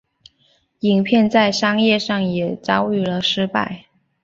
影片在商业上也遭遇了失败。